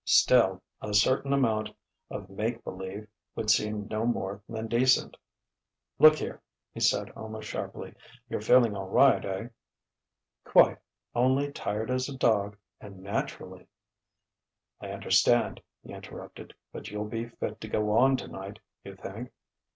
Still, a certain amount of make believe would seem no more than decent.... "Look here," he said almost sharply "you're feeling all right, eh?" "Quite only tired as a dog; and naturally " "I understand," he interrupted. "But you'll be fit to go on tonight, you think?"